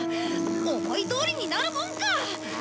思いどおりになるもんか！